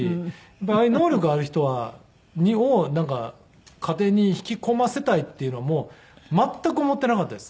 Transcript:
ああいう能力がある人を家庭に引き込ませたいっていうのはもう全く思っていなかったです。